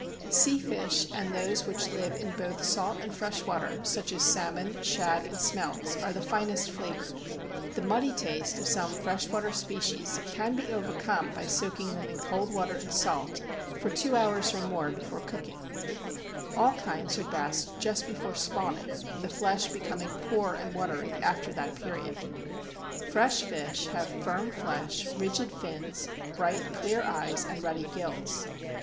Sea fish, and those which live in both salt and fresh water, such as salmon, shad, and smelts, are the finest flavored; the muddy taste of some fresh water species can be overcome by soaking them in cold water and salt for two hours or more before cooking; all kinds are best just before spawning, the flesh becoming poor and watery after that period. Fresh fish have firm flesh, rigid fins, bright, clear eyes, and ruddy gills.